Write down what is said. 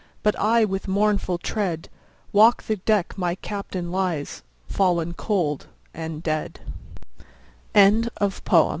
But I, with mournful tread, Walk the deck my Captain lies, Fallen cold and